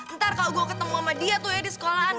ntar kalau gue ketemu sama dia tuh ya di sekolahan